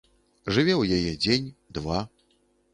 Жыве ў яе дзень, два.